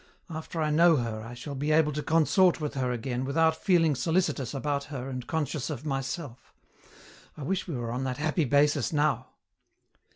After I know her I shall be able to consort with her again without feeling solicitous about her and conscious of myself. I wish we were on that happy basis now."